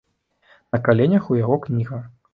На каленях у яго кніга.